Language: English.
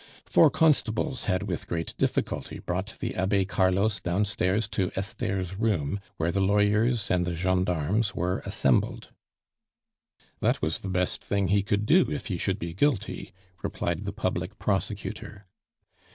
Four constables had with great difficulty brought the Abbe Carlos downstairs to Esther's room, where the lawyers and the gendarmes were assembled. "That was the best thing he could do if he should be guilty," replied the public prosecutor.